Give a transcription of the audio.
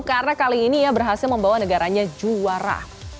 karena kali ini ya berhasil membawa negaranya juara